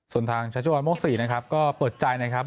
ส่วนทางชัชวัลโมกศรีนะครับก็เปิดใจนะครับ